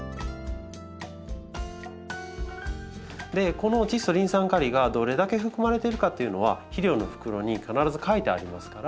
このチッ素リン酸カリがどれだけ含まれてるかっていうのは肥料の袋に必ず書いてありますから。